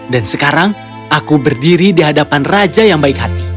dan sekarang aku berdiri di hadapan raja yang baik hati